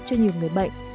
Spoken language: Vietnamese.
cho nhiều người bệnh